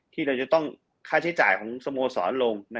ที่เราจะต้องค่าใช้จ่ายของสโมสรลง